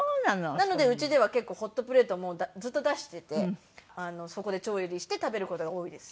なのでうちでは結構ホットプレートずっと出しててそこで調理して食べる事が多いです。